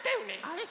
あれ？